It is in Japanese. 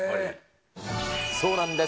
そうなんです。